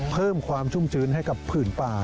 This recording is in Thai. เพิ่มความชุ่มชื้นให้กับผื่นป่า